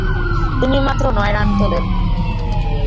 তিনি মাত্র নয় রান তোলেন।